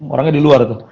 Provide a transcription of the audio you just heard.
orangnya di luar tuh